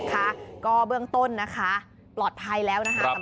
ค่ะก็เบื้องต้นนะคะปลอดภัยแล้วนะคะ